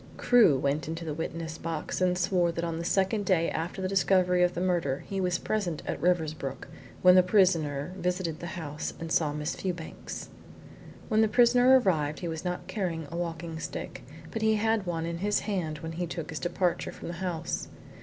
Crewe went into the witness box and swore that on the second day after the discovery of the murder he was present at Riversbrook when the prisoner visited the house and saw Miss Fewbanks. When the prisoner arrived he was not carrying a walking stick, but he had one in his hand when he took his departure from the house.